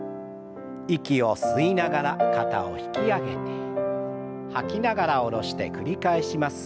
息を吸いながら肩を引き上げて吐きながら下ろして繰り返します。